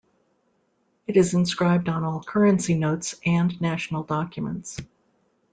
It is inscribed on all currency notes and national documents.